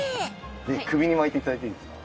首に巻いて頂いていいですか？